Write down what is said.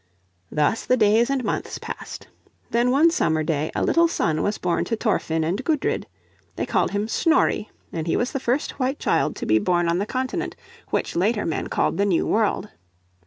Thus the days and months passed. Then one summer day a little son was born to Thorfinn and Gudrid. They called him Snorri, and he was the first white child to be born on the Continent which later men called the New World.